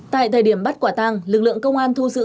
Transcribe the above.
tại thời điểm bắt quả tàng lực lượng công an thu giữ